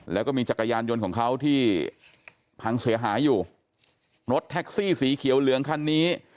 แล้วก็มีจักรยานยนต์ของเขาที่พังเสียหายอยู่รถแท็กซี่สีเขียวเหลืองคันนี้